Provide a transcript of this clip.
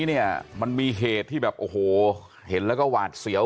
เนี่ยมันมีเหตุที่แบบโอ้โหเห็นแล้วก็หวาดเสียว